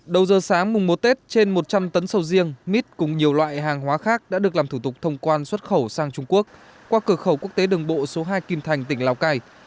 đầu giờ sáng mùng một tết trên một trăm linh tấn sầu riêng mít cùng nhiều loại hàng hóa khác đã được làm thủ tục thông quan xuất khẩu sang trung quốc qua cửa khẩu quốc tế đường bộ số hai kim thành tỉnh lào cai